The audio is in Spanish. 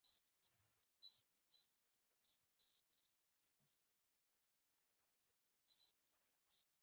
Elle no recuerda a Kellie.